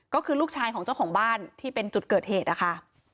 ก็คือลูกชายของเจ้าของบ้านที่เป็นจุดเกิดเหตุนะคะ